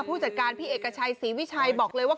ผู้จัดการพี่เอกชัยศรีวิชัยบอกเลยว่า